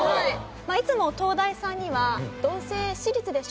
いつも東大さんには。